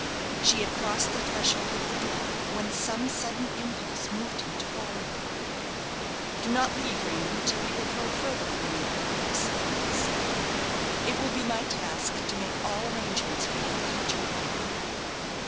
She had crossed the threshold of the door, when some sudden impulse moved him to follow her. "Do not leave Raynham till you have heard further from me, Lady Eversleigh," he said. "It will be my task to make all arrangements for your future life."